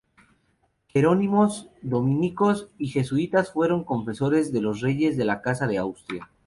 Jerónimos, dominicos y jesuitas fueron confesores de los reyes de la Casa de Austria.